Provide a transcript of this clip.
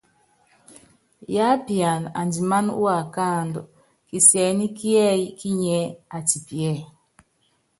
Yiápian andimáná uákáandú, kisiɛ́nɛ́ kíɛ́yi kínyiɛ́ atipiɛ́.